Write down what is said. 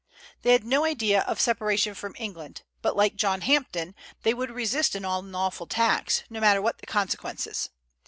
They had no idea of separation from England, but, like John Hampden, they would resist an unlawful tax, no matter what the consequences.